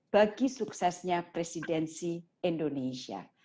bagi suksesnya presidensi indonesia